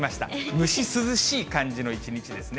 蒸し涼しい感じの一日ですね。